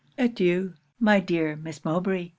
Adieu! my dear Miss Mowbray!